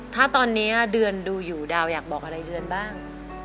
ถ้าตอนนี้เดือนดูอยู่ดาวอยากบอกอะไรเดือนบ้าง